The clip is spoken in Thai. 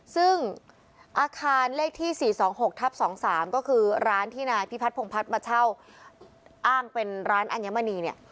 ซึ่งอาคารเลขที่๔๒๖ทับ๒๓ก็คือร้านที่นายพิพัฒนพงพัฒน์มาเช่าอ้างเป็นร้านอัญมณีเนี่ย